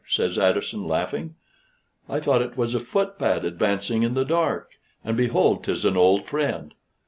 says Addison, laughing: "I thought it was a footpad advancing in the dark, and behold 'tis an old friend.